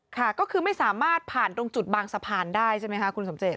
ค่ะก็คือไม่สามารถผ่านตรงจุดบางสะพานได้ใช่ไหมคะคุณสมเจต